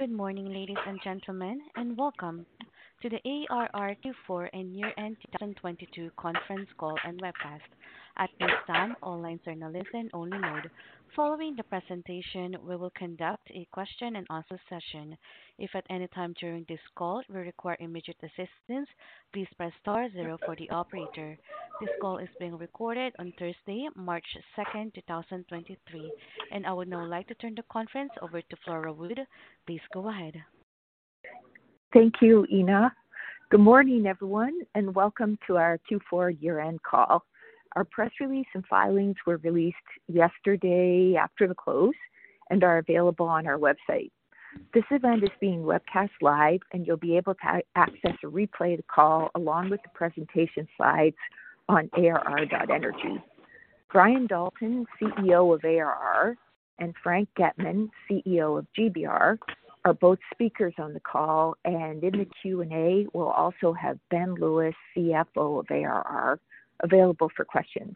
Good morning, ladies and gentlemen, and welcome to the ARR Q4 and year-end 2022 conference call and webcast. At this time, all lines are in a listen only mode. Following the presentation, we will conduct a question and answer session. If at any time during this call you require immediate assistance, please press star zero for the operator. This call is being recorded on Thursday, March 2nd, 2023. I would now like to turn the conference over to Flora Wood. Please go ahead. Thank you, Ina. Good morning, everyone, and welcome to our Q4 year-end call. Our press release and filings were released yesterday after the close and are available on our website. This event is being webcast live and you'll be able to access a replay of the call along with the presentation slides on ARR energy. Brian Dalton, CEO of ARR, and Frank Getman, CEO of GBR, are both speakers on the call. In the Q&A, we'll also have Ben Lewis, CFO of ARR, available for questions.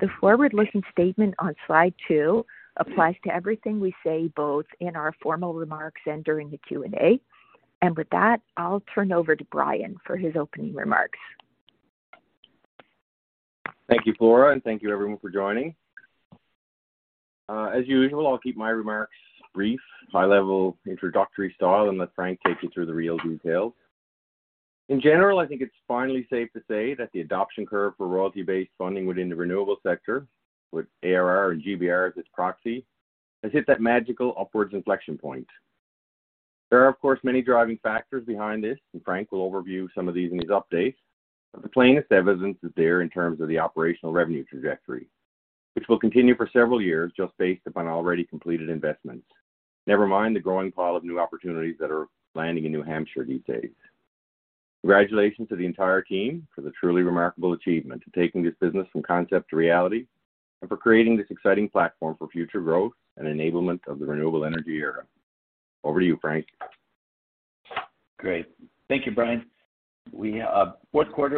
The forward-looking statement on slide two applies to everything we say, both in our formal remarks and during the Q&A. With that, I'll turn over to Brian for his opening remarks. Thank you, Flora, and thank you everyone for joining. As usual, I'll keep my remarks brief, high-level introductory style, and let Frank take you through the real details. In general, I think it's finally safe to say that the adoption curve for royalty-based funding within the renewable sector with ARR and GBR as its proxy has hit that magical upwards inflection point. There are, of course, many driving factors behind this. Frank will overview some of these in his update. The plainest evidence is there in terms of the operational revenue trajectory, which will continue for several years just based upon already completed investments. Never mind the growing pile of new opportunities that are landing in New Hampshire these days. Congratulations to the entire team for the truly remarkable achievement to taking this business from concept to reality and for creating this exciting platform for future growth and enablement of the renewable energy era. Over to you, Frank. Great. Thank you, Brian. We Q4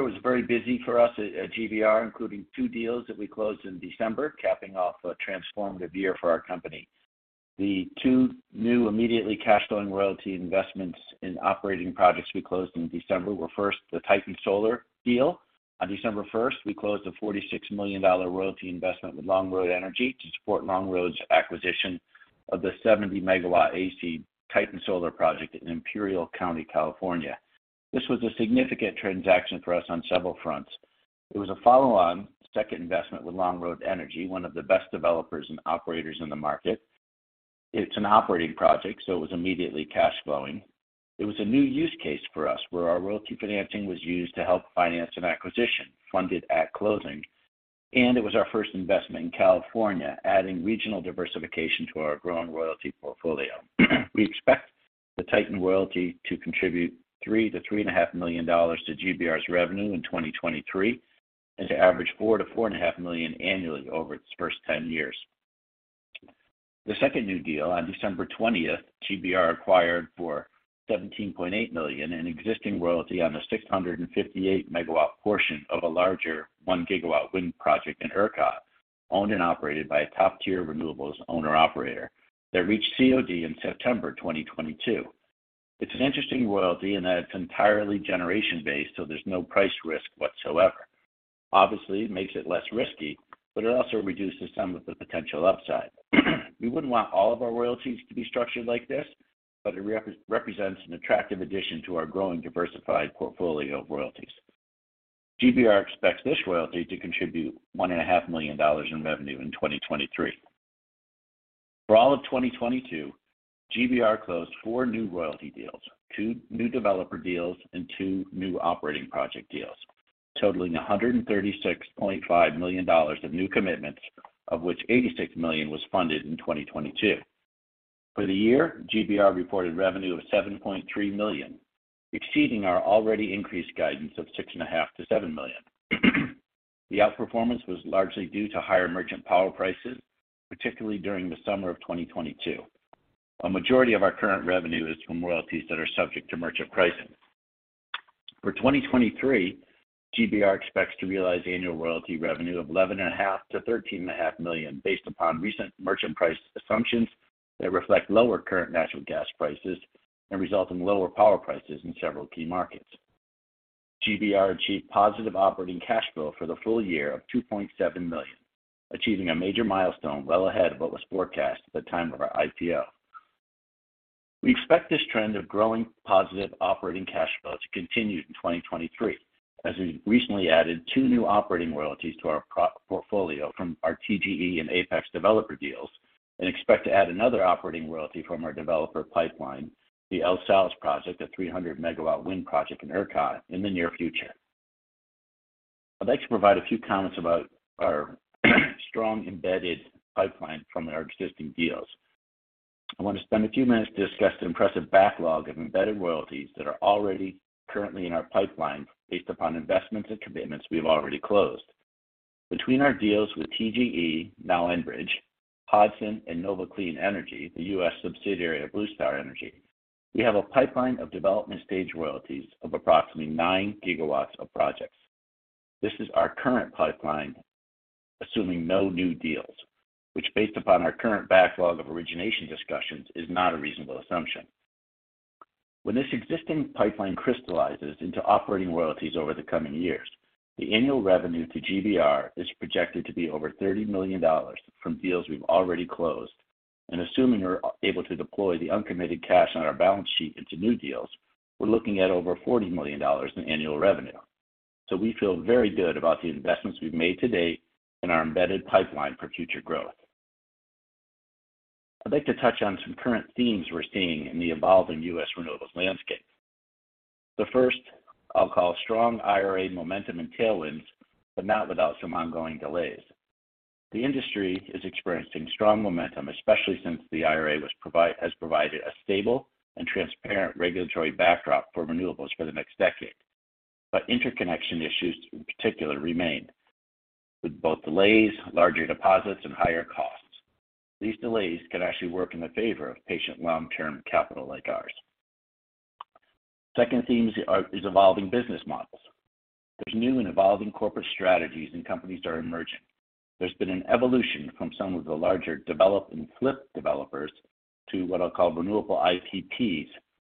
was very busy for us at GBR, including two deals that we closed in December, capping off a transformative year for our company. The two new immediately cash flowing royalty investments in operating projects we closed in December were first the Titan Solar deal. On December first, we closed a $46 million royalty investment with Longroad Energy to support Longroad's acquisition of the 70 MWac Titan Solar project in Imperial County, California. This was a significant transaction for us on several fronts. It was a follow-on second investment with Longroad Energy, one of the best developers and operators in the market. It's an operating project, so it was immediately cash flowing. It was a new use case for us, where our royalty financing was used to help finance an acquisition funded at closing. It was our first investment in California, adding regional diversification to our growing royalty portfolio. We expect the Titan royalty to contribute $3 million to three and a half million to GBR's revenue in 2023, and to average $4 million to four and a half million annually over its first 10 years. The second new deal, on December 20th, GBR acquired for $17.8 million in existing royalty on the 658 MW portion of a larger 1 GW wind project in ERCOT, owned and operated by a top-tier renewables owner operator that reached COD in September 2022. It's an interesting royalty in that it's entirely generation-based, so there's no price risk whatsoever. Obviously, it makes it less risky, but it also reduces some of the potential upside. We wouldn't want all of our royalties to be structured like this, but it represents an attractive addition to our growing diversified portfolio of royalties. GBR expects this royalty to contribute $1.5 Million in revenue in 2023. For all of 2022, GBR closed four new royalty deals, two new developer deals, and two new operating project deals, totaling $136.5 million of new commitments, of which $86 million was funded in 2022. For the year, GBR reported revenue of $7.3 million, exceeding our already increased guidance of $6.5 Million to $7 million. The outperformance was largely due to higher merchant power prices, particularly during the summer of 2022. A majority of our current revenue is from royalties that are subject to merchant pricing. For 2023, GBR expects to realize annual royalty revenue of eleven and a half to thirteen and a half million, based upon recent merchant price assumptions that reflect lower current natural gas prices and result in lower power prices in several key markets. GBR achieved positive operating cash flow for the full year of $2.7 million, achieving a major milestone well ahead of what was forecast at the time of our IPO. We expect this trend of growing positive operating cash flow to continue in 2023, as we've recently added two new operating royalties to our portfolio from our TGE and Apex developer deals, and expect to add another operating royalty from our developer pipeline, the El Sauz project, a 300 MW wind project in ERCOT, in the near future. I'd like to provide a few comments about our strong embedded pipeline from our existing deals. I want to spend a few minutes to discuss the impressive backlog of embedded royalties that are already currently in our pipeline based upon investments and commitments we have already closed. Between our deals with TGE, now Enbridge, Hodson and Nova Clean Energy, the U.S. subsidiary of Bluestar Energy, we have a pipeline of development stage royalties of approximately 9 GW of projects. This is our current pipeline. Assuming no new deals, which based upon our current backlog of origination discussions, is not a reasonable assumption. When this existing pipeline crystallizes into operating royalties over the coming years, the annual revenue to GBR is projected to be over $30 million from deals we've already closed. Assuming we're able to deploy the uncommitted cash on our balance sheet into new deals, we're looking at over $40 million in annual revenue. We feel very good about the investments we've made to date and our embedded pipeline for future growth. I'd like to touch on some current themes we're seeing in the evolving U.S. renewables landscape. The first I'll call strong IRA momentum and tailwinds, but not without some ongoing delays. The industry is experiencing strong momentum, especially since the IRA has provided a stable and transparent regulatory backdrop for renewables for the next decade. Interconnection issues in particular remain, with both delays, larger deposits and higher costs. These delays can actually work in the favor of patient long-term capital like ours. Second theme is evolving business models. There's new and evolving corporate strategies, and companies are emerging. There's been an evolution from some of the larger develop and flip developers to what I'll call renewable IPPs,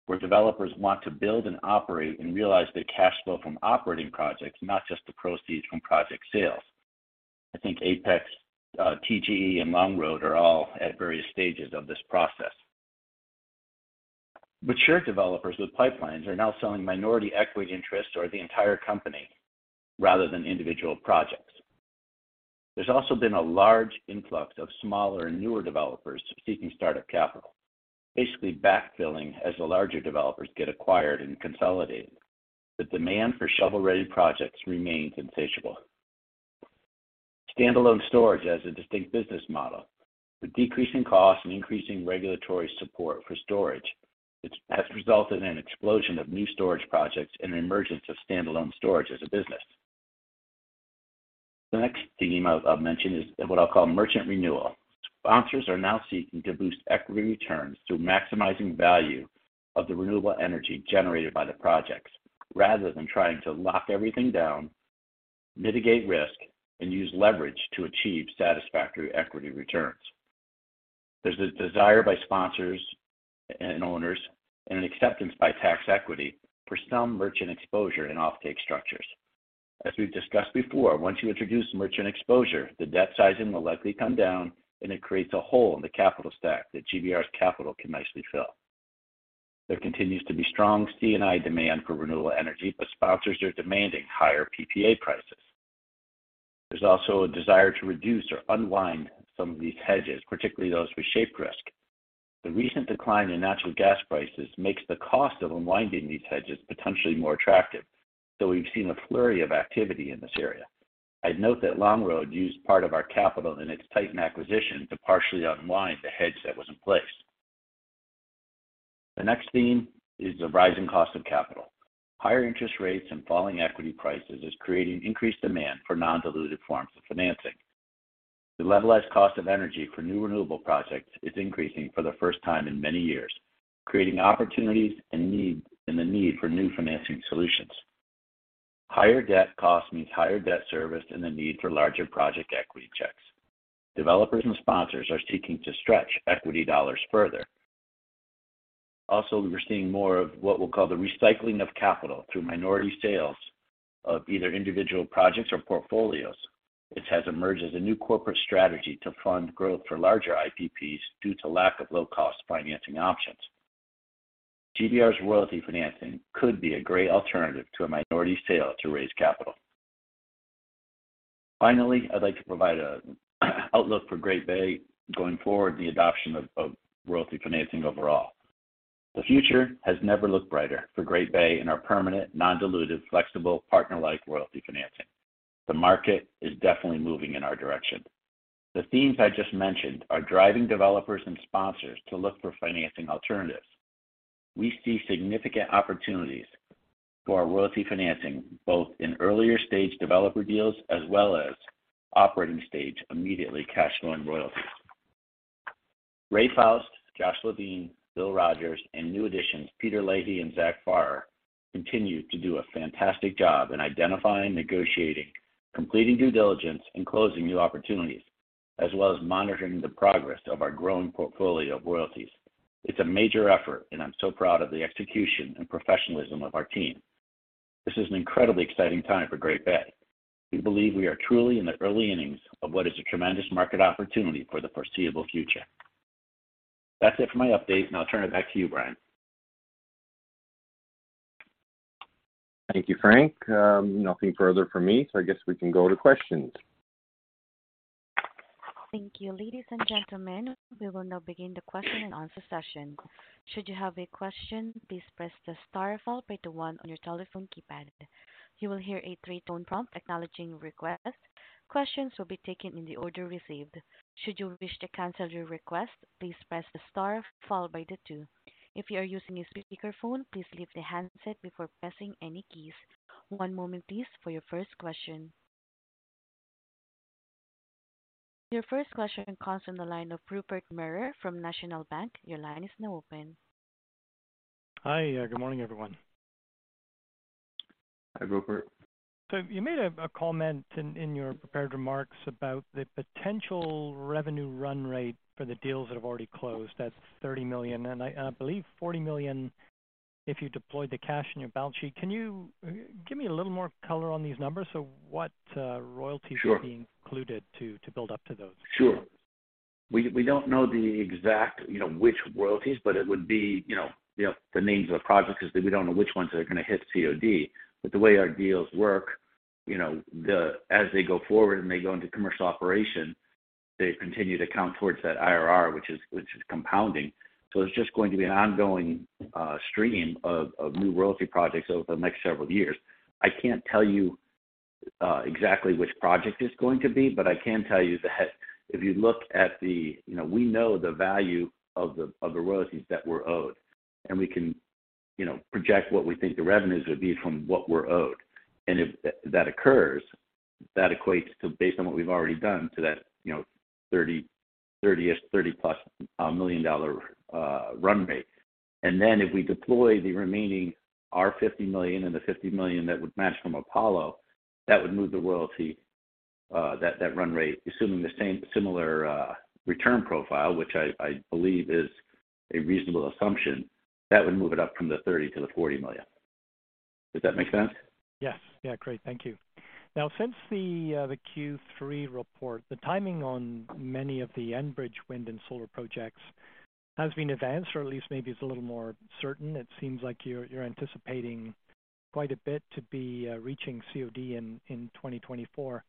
where developers want to build and operate and realize the cash flow from operating projects, not just the proceeds from project sales. I think Apex, TGE and Longroad are all at various stages of this process. Mature developers with pipelines are now selling minority equity interests or the entire company rather than individual projects. There's also been a large influx of smaller and newer developers seeking startup capital, basically backfilling as the larger developers get acquired and consolidated. The demand for shovel-ready projects remains insatiable. Standalone storage as a distinct business model. With decreasing costs and increasing regulatory support for storage, it has resulted in an explosion of new storage projects and an emergence of standalone storage as a business. The next theme I'll mention is what I'll call merchant renewal. Sponsors are now seeking to boost equity returns through maximizing value of the renewable energy generated by the projects rather than trying to lock everything down, mitigate risk, and use leverage to achieve satisfactory equity returns. There's a desire by sponsors and owners and an acceptance by tax equity for some merchant exposure in offtake structures. As we've discussed before, once you introduce merchant exposure, the debt sizing will likely come down, and it creates a hole in the capital stack that GBR's capital can nicely fill. There continues to be strong C&I demand for renewable energy, but sponsors are demanding higher PPA prices. There's also a desire to reduce or unwind some of these hedges, particularly those with shape risk. The recent decline in natural gas prices makes the cost of unwinding these hedges potentially more attractive. We've seen a flurry of activity in this area. I'd note that Longroad used part of our capital in its Titan acquisition to partially unwind the hedge that was in place. The next theme is the rising cost of capital. Higher interest rates and falling equity prices is creating increased demand for non-dilutive forms of financing. The levelized cost of energy for new renewable projects is increasing for the first time in many years, creating opportunities and the need for new financing solutions. Higher debt cost means higher debt service and the need for larger project equity checks. Developers and sponsors are seeking to stretch equity dollars further. Also, we're seeing more of what we'll call the recycling of capital through minority sales of either individual projects or portfolios. This has emerged as a new corporate strategy to fund growth for larger IPPs due to lack of low-cost financing options. GBR's royalty financing could be a great alternative to a minority sale to raise capital. Finally, I'd like to provide a outlook for Great Bay going forward, the adoption of royalty financing overall. The future has never looked brighter for Great Bay and our permanent non-dilutive, flexible partner-like royalty financing. The market is definitely moving in our direction. The themes I just mentioned are driving developers and sponsors to look for financing alternatives. We see significant opportunities for our royalty financing, both in earlier stage developer deals as well as operating stage immediately cash flowing royalties. Ray Faust, Josh Levine, Bill Rodgers, and new additions Peter Leahy and Zach Farr continue to do a fantastic job in identifying, negotiating, completing due diligence, and closing new opportunities, as well as monitoring the progress of our growing portfolio of royalties. It's a major effort. I'm so proud of the execution and professionalism of our team. This is an incredibly exciting time for Great Bay. We believe we are truly in the early innings of what is a tremendous market opportunity for the foreseeable future. That's it for my update. I'll turn it back to you, Brian. Thank you, Frank. Nothing further from me, so I guess we can go to questions. Thank you. Ladies and gentlemen, we will now begin the question and answer session. Should you have a question, please press the star followed by the one on your telephone keypad. You will hear a three-tone prompt acknowledging request. Questions will be taken in the order received. Should you wish to cancel your request, please press the star followed by the two. If you are using a speakerphone, please leave the handset before pressing any keys. One moment please for your first question. Your first question comes from the line of Rupert Merer from National Bank. Your line is now open. Hi. Good morning, everyone. Hi, Rupert. You made a comment in your prepared remarks about the potential revenue run rate for the deals that have already closed. That's $30 million, and I believe $40 million if you deployed the cash in your balance sheet. Can you give me a little more color on these numbers? What royalties- Sure. Are being included to build up to those? Sure. We don't know the exact, you know, which royalties, but it would be, you know, you know, the names of projects because we don't know which ones are gonna hit COD. The way our deals work, you know, as they go forward and they go into commercial operation, they continue to count towards that IRR, which is compounding. It's just going to be an ongoing stream of new royalty projects over the next several years. I can't tell you exactly which project it's going to be. I can tell you that if you look at the... You know, we know the value of the royalties that we're owed, and we can, you know, project what we think the revenues would be from what we're owed. If that occurs, that equates to based on what we've already done to that, $F30+ million run rate. If we deploy the remaining, our $50 million and the $50 million that would match from Apollo, that would move the royalty, that run rate, assuming the same similar return profile, which I believe is a reasonable assumption, that would move it up from the $30 million to the $40 million. Does that make sense? Yes. Yeah, great. Thank you. Now since the Q3 report, the timing on many of the Enbridge wind and solar projects has been advanced, or at least maybe it's a little more certain. It seems like you're anticipating quite a bit to be reaching COD in 2024.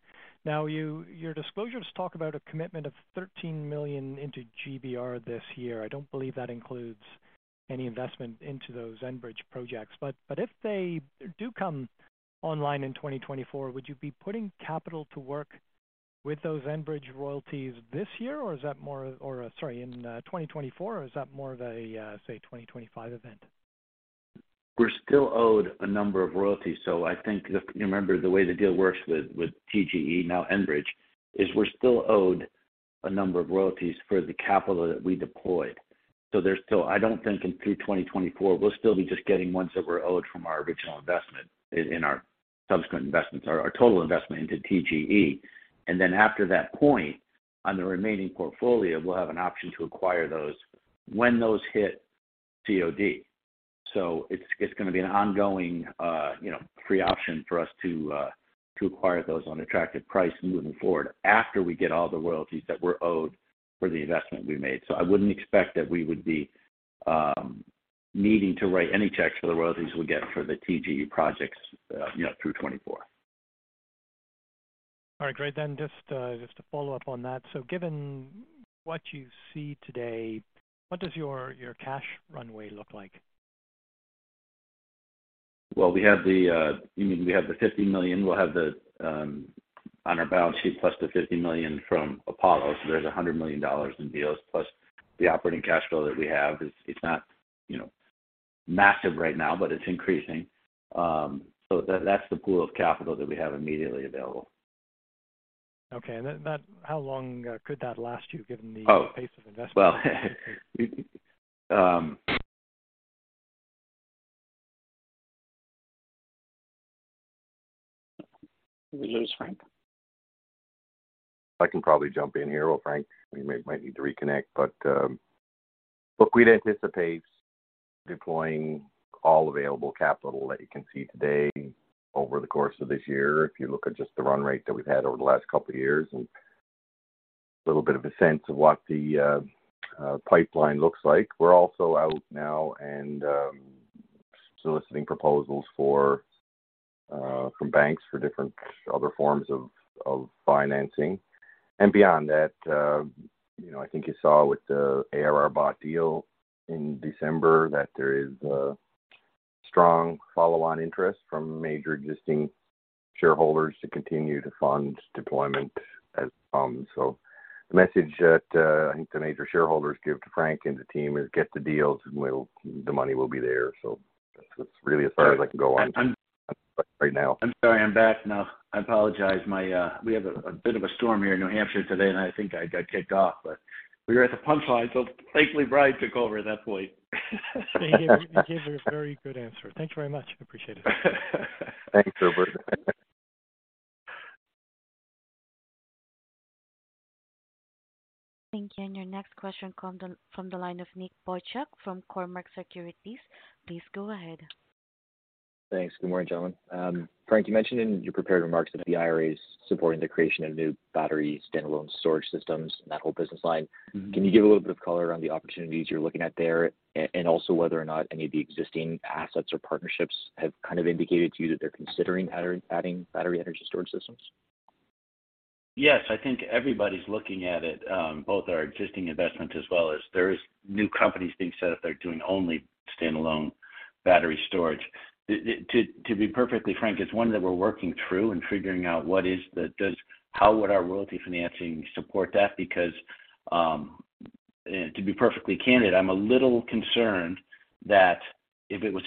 Now your disclosures talk about a commitment of $13 million into GBR this year. I don't believe that includes any investment into those Enbridge projects. If they do come online in 2024, would you be putting capital to work with those Enbridge royalties this year, or, sorry, in 2024, or is that more of a, say, 2025 event? We're still owed a number of royalties. I think if you remember the way the deal works with TGE, now Enbridge, is we're still owed a number of royalties for the capital that we deployed. I don't think in through 2024, we'll still be just getting ones that we're owed from our original investment in our subsequent investments or our total investment into TGE. After that point, on the remaining portfolio, we'll have an option to acquire those when those hit COD. It's gonna be an ongoing, you know, free option for us to acquire those on attractive price moving forward after we get all the royalties that we're owed for the investment we made. I wouldn't expect that we would be needing to write any checks for the royalties we get for the TGE projects, you know, through 2024. All right, great. Just to follow up on that. Given what you see today, what does your cash runway look like? Well, we have the, you mean we have the $50 million. We'll have the, on our balance sheet plus the $50 million from Apollo. There's $100 million in deals plus the operating cash flow that we have. It's not, you know, massive right now, but it's increasing. That's the pool of capital that we have immediately available. Okay. then that How long, could that last you given the- Oh. pace of investment? Well. We lose Frank. I can probably jump in here while Frank, we might need to reconnect. Look, we'd anticipate deploying all available capital that you can see today over the course of this year. If you look at just the run rate that we've had over the last couple of years and a little bit of a sense of what the pipeline looks like. We're also out now and soliciting proposals for from banks for different other forms of financing. Beyond that, you know, I think you saw with the ARR bought deal in December that there is a strong follow-on interest from major existing shareholders to continue to fund deployment as it comes. The message that, I think the major shareholders give to Frank and the team is get the deals, and the money will be there. That's really as far as I can go on right now. I'm sorry. I'm back now. I apologize. We have a bit of a storm here in New Hampshire today, and I think I got kicked off. We were at the punchline, thankfully Brian took over at that point. He gave a very good answer. Thank you very much. Appreciate it. Thanks, Rupert. Thank you. Your next question come from the line of Nick Boychuk from Cormark Securities. Please go ahead. Thanks. Good morning, gentlemen. Frank, you mentioned in your prepared remarks that the IRA is supporting the creation of new battery standalone storage systems and that whole business line. Mm-hmm. Can you give a little bit of color on the opportunities you're looking at there, and also whether or not any of the existing assets or partnerships have kind of indicated to you that they're considering adding battery energy storage systems? Yes. I think everybody's looking at it, both our existing investments as well as there is new companies being set up that are doing only standalone battery storage. To be perfectly frank, it's one that we're working through and figuring out how would our royalty financing support that? To be perfectly candid, I'm a little concerned that if it was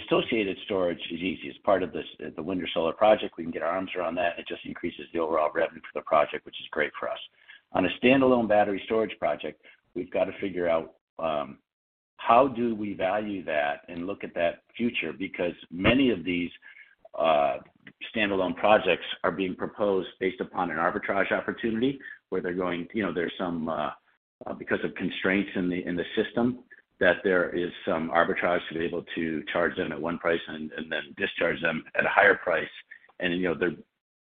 Associated storage is easy. As part of this, the wind or solar project, we can get our arms around that. It just increases the overall revenue for the project, which is great for us. On a standalone battery storage project, we've got to figure out how do we value that and look at that future because many of these standalone projects are being proposed based upon an arbitrage opportunity where they're going... You know, there's some, because of constraints in the system, that there is some arbitrage to be able to charge them at one price and then discharge them at a higher price. You know,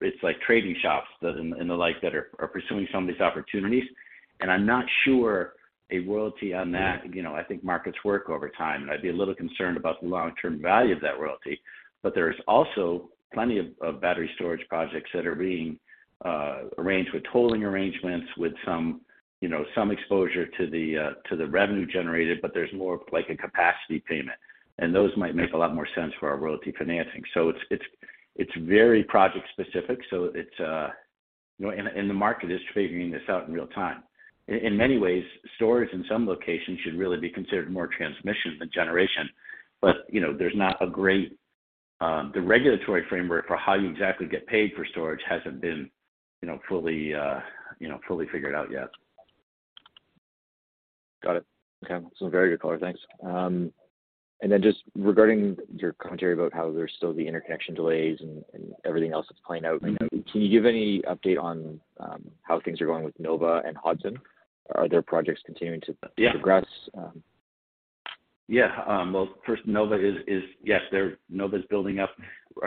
it's like trading shops and the like that are pursuing some of these opportunities. I'm not sure a royalty on that. You know, I think markets work over time, and I'd be a little concerned about the long-term value of that royalty. There is also plenty of battery storage projects that are being arranged with tolling arrangements, with some, you know, some exposure to the revenue generated, but there's more of like a capacity payment. Those might make a lot more sense for our royalty financing. It's very project specific. You know, the market is figuring this out in real time. In many ways, storage in some locations should really be considered more transmission than generation. You know, there's not a great. The regulatory framework for how you exactly get paid for storage hasn't been, you know, fully figured out yet. Got it. Okay. Some very good color. Thanks. Then just regarding your commentary about how there's still the interconnection delays and everything else that's playing out right now. Mm-hmm. Can you give any update on how things are going with Nova and Hodson? Are their projects continuing to progress? Yeah. Yeah. Well, first Nova is. Yes, they're. Nova's building up.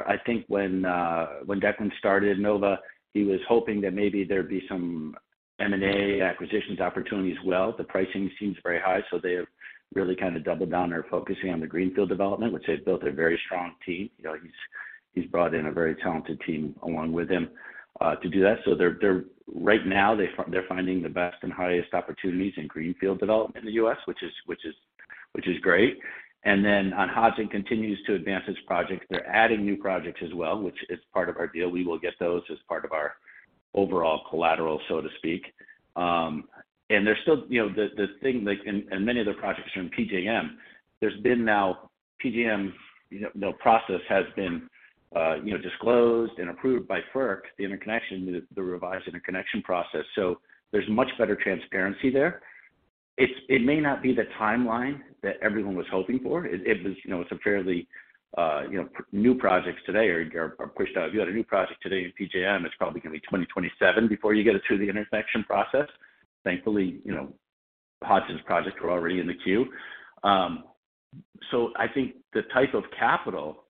I think when Declan started Nova, he was hoping that maybe there'd be some M&A acquisitions opportunities as well. The pricing seems very high, so they have really kind of doubled down. They're focusing on the greenfield development, which they've built a very strong team. You know, he's brought in a very talented team along with him to do that. They're. Right now they're finding the best and highest opportunities in greenfield development in the U.S., which is great. On Hodson continues to advance its projects. They're adding new projects as well, which is part of our deal. We will get those as part of our overall collateral, so to speak. There's still, you know, the thing, like... Many of the projects are in PJM. PJM, you know, the process has been, you know, disclosed and approved by FERC, the interconnection, the revised interconnection process. There's much better transparency there. It may not be the timeline that everyone was hoping for. It was, you know, it's a fairly, you know, new projects today are pushed out. If you had a new project today in PJM, it's probably gonna be 2027 before you get it through the interconnection process. Thankfully, you know, Hodson's projects were already in the queue. I think the type of capital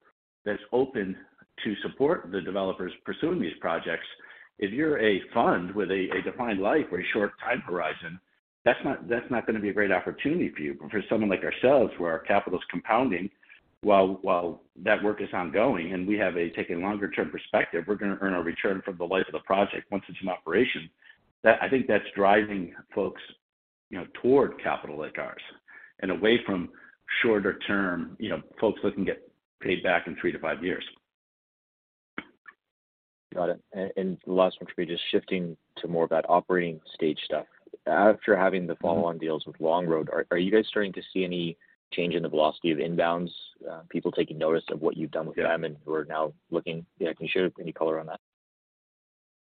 that's open to support the developers pursuing these projects, if you're a fund with a defined life or a short time horizon, that's not gonna be a great opportunity for you. For someone like ourselves, where our capital is compounding while that work is ongoing, and we have a taken longer-term perspective, we're gonna earn a return from the life of the project once it's in operation. That. I think that's driving folks, you know, toward capital like ours and away from shorter term, you know, folks looking get paid back in three to five years. Got it. Last one for you, just shifting to more of that operating stage stuff. After having the follow-on deals with Longroad, are you guys starting to see any change in the velocity of inbounds, people taking notice of what you've done with them and who are now looking? Yeah. Can you share any color on that?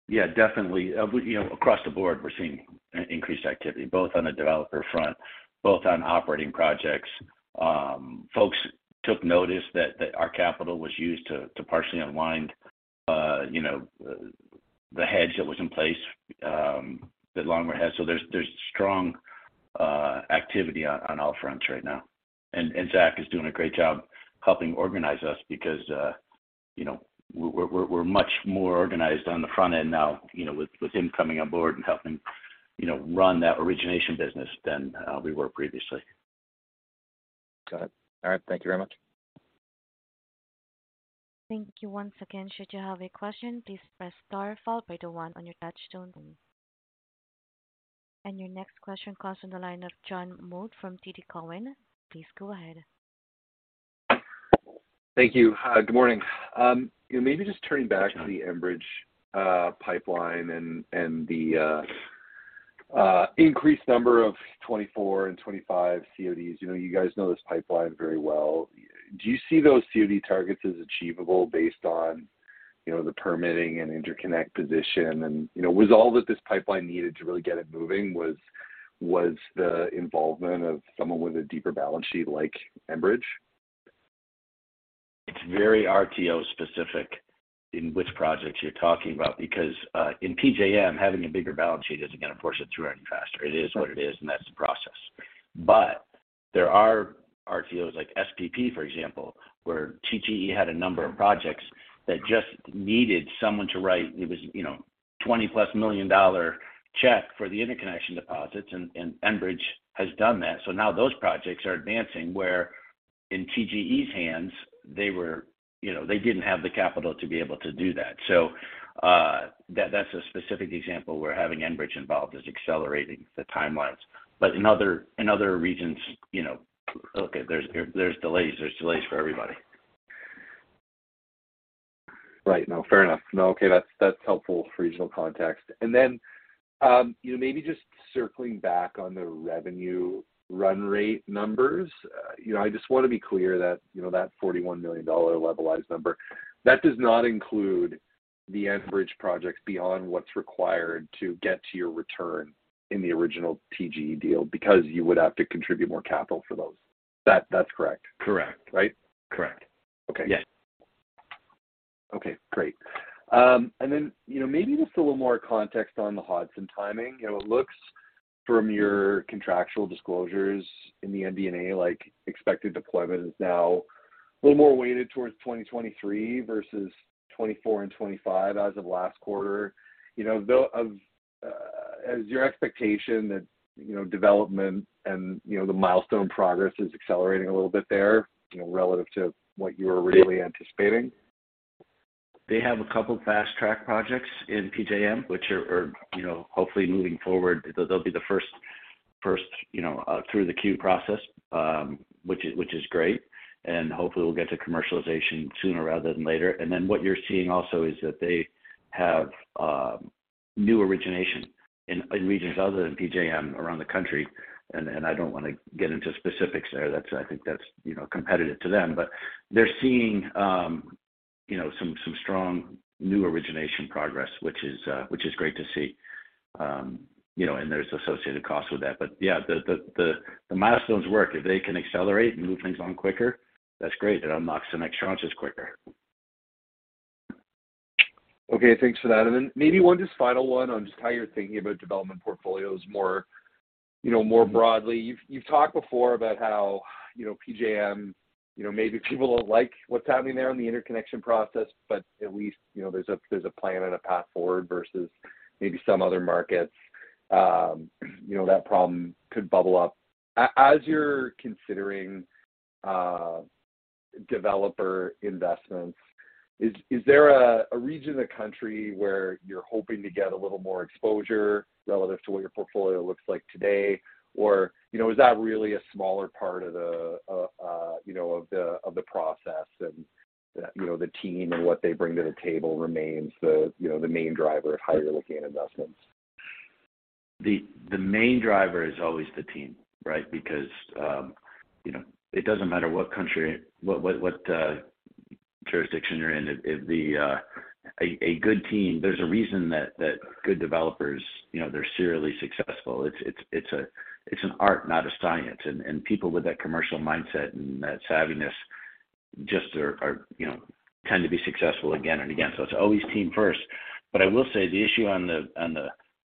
Yeah, definitely. You know, across the board, we're seeing increased activity, both on the developer front, both on operating projects. Folks took notice that our capital was used to partially unwind, you know, the hedge that was in place that Longroad Energy had. There's strong activity on all fronts right now. Zach Farr is doing a great job helping organize us because, you know, we're much more organized on the front end now, you know, with him coming on board and helping, you know, run that origination business than we were previously. Got it. All right. Thank you very much. Thank you once again. Should you have a question, please press star followed by the one on your touchtone. Your next question comes from the line of Sean Steuart from TD Cowen. Please go ahead. Thank you. Good morning. Maybe just turning back to the Enbridge pipeline and the increased number of 2024 and 2025 CODs. You know, you guys know this pipeline very well. Do you see those COD targets as achievable based on, you know, the permitting and interconnect position? You know, was all that this pipeline needed to really get it moving was the involvement of someone with a deeper balance sheet like Enbridge? It's very RTO specific in which projects you're talking about because in PJM, having a bigger balance sheet isn't gonna force it through any faster. It is what it is, and that's the process. There are RTOs like SPP, for example, where TGE had a number of projects that just needed someone to write. It was, you know, $20+ million check for the interconnection deposits, and Enbridge has done that. Now those projects are advancing, where in TGE's hands, they were. You know, they didn't have the capital to be able to do that. That's a specific example where having Enbridge involved is accelerating the timelines. In other, in other regions, you know, look, there's delays, there's delays for everybody. Right. No, fair enough. No. Okay, that's helpful for regional context. Then, you know, maybe just circling back on the revenue run rate numbers. You know, I just wanna be clear that, you know, that $41 million levelized number, that does not includeThe average projects beyond what's required to get to your return in the original TGE deal, because you would have to contribute more capital for those. That's correct? Correct. Right? Correct. Okay. Yes. Okay, great. You know, maybe just a little more context on the Hodson timing. You know, it looks from your contractual disclosures in the MD&A like expected deployment is now a little more weighted towards 2023 versus 2024 and 2025 as of last quarter. You know, is your expectation that, you know, development and, you know, the milestone progress is accelerating a little bit there, you know, relative to what you were really anticipating? They have a couple of fast-track projects in PJM, which are, you know, hopefully moving forward. They'll be the first, you know, through the queue process, which is great. Hopefully we'll get to commercialization sooner rather than later. What you're seeing also is that they have new origination in regions other than PJM around the country. I don't wanna get into specifics there. I think that's, you know, competitive to them. They're seeing, you know, some strong new origination progress, which is great to see. You know, and there's associated costs with that. Yeah, the milestones work. If they can accelerate and move things on quicker, that's great. It unlocks some extra tranches quicker. Okay. Thanks for that. Maybe one just final one on just how you're thinking about development portfolios more, you know, more broadly. You've talked before about how, you know, PJM, you know, maybe people don't like what's happening there on the interconnection process, but at least, you know, there's a, there's a plan and a path forward versus maybe some other markets, you know, that problem could bubble up. As you're considering developer investments, is there a region of the country where you're hoping to get a little more exposure relative to what your portfolio looks like today? You know, is that really a smaller part of the, you know, of the process and, you know, the team and what they bring to the table remains the, you know, the main driver of how you're looking at investments? The main driver is always the team, right? Because, you know, it doesn't matter what country, what, what jurisdiction you're in. If the... A good team. There's a reason that good developers, you know, they're serially successful. It's, it's a, it's an art, not a science. People with that commercial mindset and that savviness just are, you know, tend to be successful again and again. It's always team first. I will say the issue on the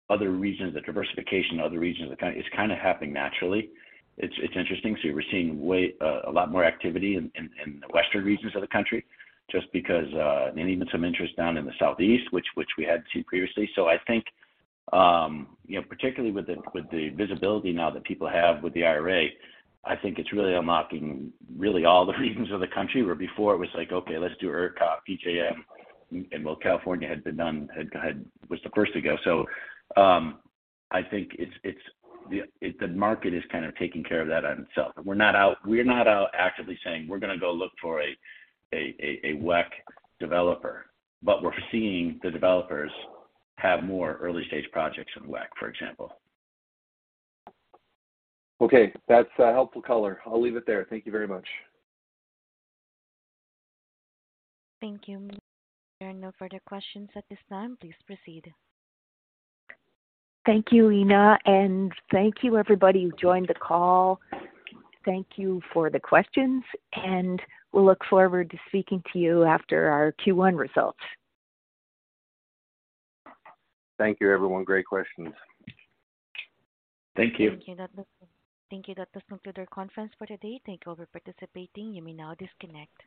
other regions, the diversification of other regions of the country is kind of happening naturally. It's interesting. We're seeing a lot more activity in the western regions of the country just because and even some interest down in the southeast, which we hadn't seen previously. I think, you know, particularly with the visibility now that people have with the IRA, I think it's really unlocking really all the regions of the country. Before it was like, okay, let's do ERCOT, PJM. While California had been done, was the first to go. I think the market is kind of taking care of that on itself. We're not out actively saying we're gonna go look for a WECC developer, but we're seeing the developers have more early-stage projects in WECC, for example. Okay. That's a helpful color. I'll leave it there. Thank you very much. Thank you. There are no further questions at this time. Please proceed. Thank you, Ina. Thank you everybody who joined the call. Thank you for the questions. We'll look forward to speaking to you after our Q1 results. Thank you everyone. Great questions. Thank you. Thank you. Thank you. That does conclude our conference for today. Thank you for participating. You may now disconnect.